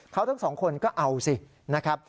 เขาทั้งสองคนก็เอาสินะครับ